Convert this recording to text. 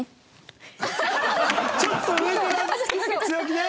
ちょっと上から強気で？